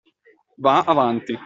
“Va’ avanti!